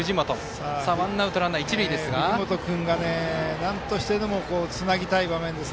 藤本君がなんとしてもつなぎたい場面です。